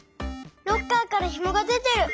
ロッカーからひもがでてる！